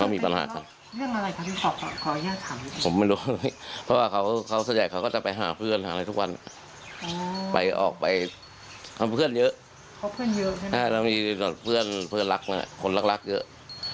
ไม่ค่อยหาเรื่องหายแล้วเป็นการช่วยเหลือบ้างค่ะ